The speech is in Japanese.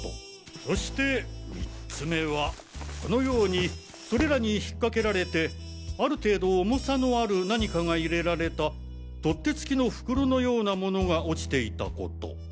そして３つ目はこのようにそれらに引っかけられてある程度重さのある何かが入れられた取っ手つきの袋のようなものが落ちていたこと。